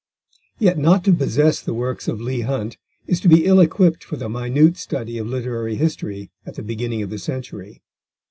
Yet not to possess the works of Leigh Hunt is to be ill equipped for the minute study of literary history at the beginning of the century.